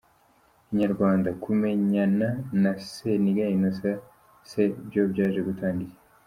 Inyarwanda: Kumenyana na Seninga Innocent se byo byaje gutanga iki?.